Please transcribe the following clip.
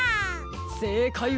せいかいは。